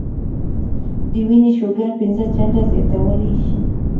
د وينې شوګر پنځه چنده زياتولے شي -